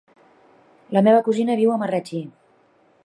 La meva cosina viu a Marratxí.